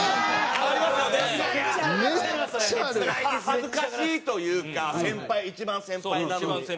恥ずかしいというか先輩一番先輩なのに。